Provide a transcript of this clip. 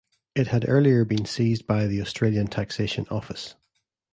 It had earlier been seized by the Australian Taxation Office.